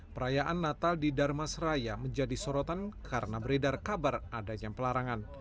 perayaan natal di darmas raya menjadi sorotan karena beredar kabar adanya pelarangan